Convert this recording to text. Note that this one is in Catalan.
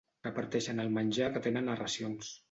Reparteixen el menjar que tenen a racions.